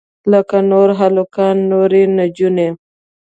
لکه نور هلکان نورې نجونې.